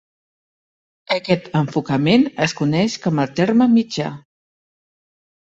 Aquest enfocament es coneix com el "terme mitjà".